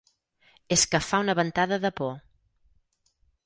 És que fa una ventada de por.